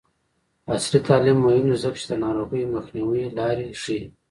عصري تعلیم مهم دی ځکه چې د ناروغیو مخنیوي لارې ښيي.